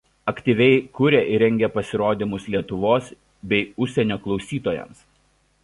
Aktyviai kuria ir rengia pasirodymus Lietuvos bei užsienio klausytojams.